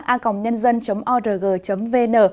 a còng nhân dân chấm org chấm vn